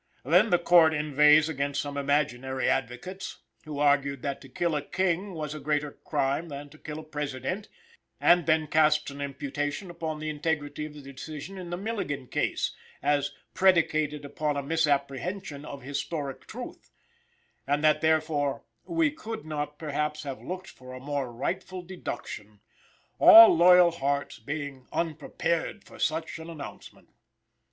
Then the Court inveighs against some imaginary advocates, who argued that to kill a king was a greater crime than to kill a president; and then casts an imputation upon the integrity of the decision in the Milligan Case, as "predicated upon a misapprehension of historic truth," and that therefore "we could not perhaps have looked for a more rightful deduction," "all loyal hearts" being "unprepared for such an announcement."